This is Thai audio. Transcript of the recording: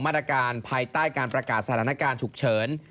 มาตรการภายใต้การประกาศสถานการณ์ฉุกเฉิน